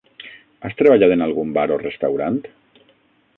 Has treballat en algun bar o restaurant?